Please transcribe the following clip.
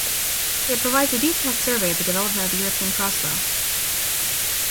It provides a detailed survey of the development of the European crossbow.